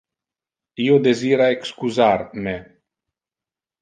Io desira excusar me.